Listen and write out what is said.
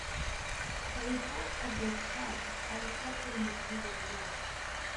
The results of this poll are reflected in the table below.